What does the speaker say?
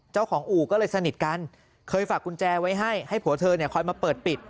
อู่ก็เลยสนิทกันเคยฝากกุญแจไว้ให้ให้ผัวเธอเนี่ยคอยมาเปิดปิด